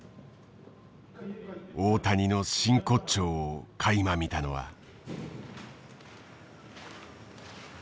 大谷の真骨頂をかいま見たのは。